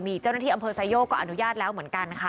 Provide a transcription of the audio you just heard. มีเจ้าหน้าที่อำเภอไซโยกก็อนุญาตแล้วเหมือนกันค่ะ